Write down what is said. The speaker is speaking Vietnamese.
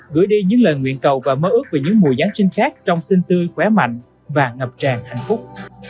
gửi đi những lời nguyện cầu và mơ ước về những mùa giáng sinh khác trong sinh tươi khỏe mạnh và ngập tràn hạnh phúc